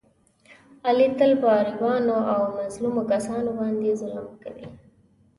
علي تل په غریبانو او مظلومو کسانو باندې ظلم کوي.